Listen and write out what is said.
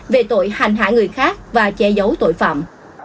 về tội hành hạ người khác và che giấu tội phạm